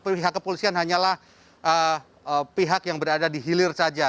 pihak kepolisian hanyalah pihak yang berada di hilir saja